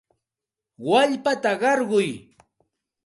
Wallpata qarquy.